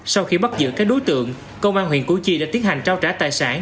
sau khi bắt giữ các đối tượng công an huyện củ chi đã tiến hành trao trả tài sản